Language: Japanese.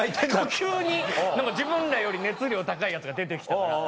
急に自分らより熱量高いヤツが出て来たから。